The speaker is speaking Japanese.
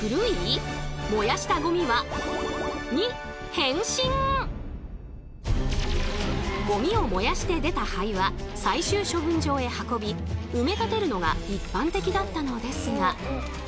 そしてゴミを燃やして出た灰は最終処分場へ運び埋め立てるのが一般的だったのですが。